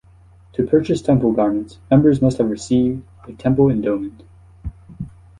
To purchase temple garments, members must have received their temple endowment.